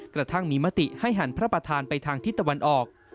กระทั่งมีมติให้หันพระประธานไปทางทิศตะวันออก